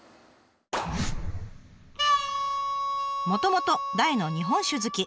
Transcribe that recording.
もともと大の日本酒好き。